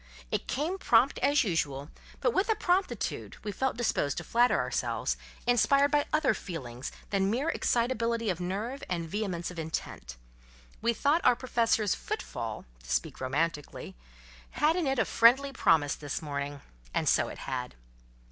It came prompt, as usual, but with a promptitude, we felt disposed to flatter ourselves, inspired by other feelings than mere excitability of nerve and vehemence of intent. We thought our Professor's "foot fall" (to speak romantically) had in it a friendly promise this morning; and so it had.